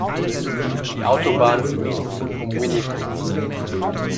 Die Autobahn führt nun um Winnipeg.